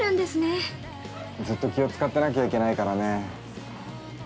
◆ずっと気を使ってなきゃいけないからね。